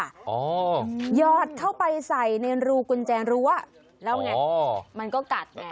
หยอดเข้าไปใส่ในรูกุญแจรั้วแล้วไงมันก็กัดไง